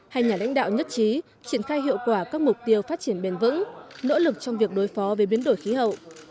hai nhà lãnh đạo nhất trí triển khai hiệu quả các mục tiêu phát triển bền vững nỗ lực trong việc đối phó về biến đổi khí hậu